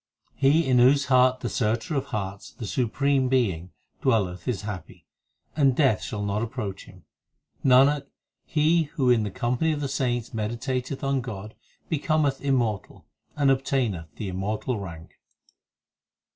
He in whose heart the Searcher of hearts, The Supreme Being, dwelleth is happy, And Death shall not approach him. Nanak, he who in the company of the saints meditateth on God Becometh immortal, and obtaineth the immortal rank.